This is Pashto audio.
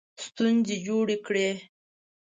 ستونزې جوړې کړې.